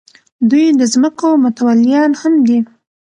دوی د ځمکو متولیان هم دي.